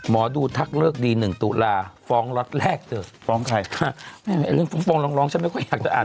มอดูทักเลิกดีหนึ่งตุลาฟ้องรักแรกเถอะฟ้องใครฟ้องร้องฉันไม่ค่อยอยากจะอ่าน